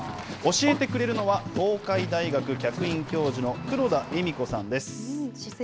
教えてくれるのは、東海大学客員教授の黒田恵美子さんです。